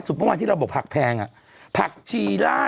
ศูนย์อุตุนิยมวิทยาภาคใต้ฝั่งตะวันอ่อค่ะ